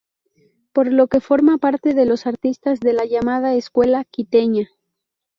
Por lo que forma parte de los artistas de la llamada Escuela Quiteña.